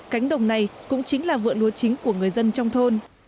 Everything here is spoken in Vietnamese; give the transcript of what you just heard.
cánh đồng này cũng chính là vựa lúa chính của người dân trong thôn